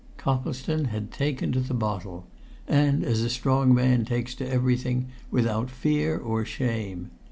Coplestone had taken to the bottle and as a strong man takes to everything without fear or shame.